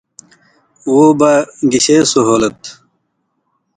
وہ با گشے سہولت؟